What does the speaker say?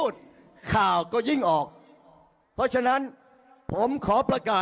ถามเพื่อให้แน่ใจ